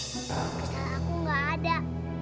kisah aku nggak ada